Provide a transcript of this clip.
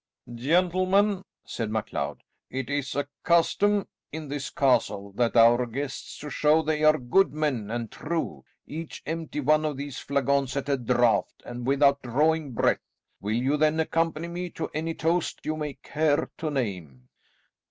"Gentlemen," said MacLeod, "it is a custom in this castle that our guests, to show they are good men and true, each empty one of these flagons at a draught, and without drawing breath. Will you then accompany me to any toast you may care to name?"